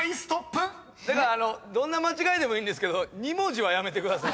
てかあのどんな間違いでもいいんですけど。